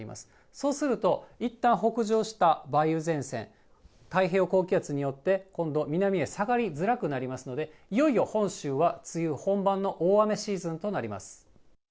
そうすると、いったん北上した梅雨前線、太平洋高気圧によって、今度南へ下がりづらくなりますので、いよいよ本州は、梅雨本番の大雨シーズンとなります。